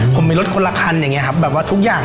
ผมมีรถคนละคันอย่างนี้ครับแบบว่าทุกอย่าง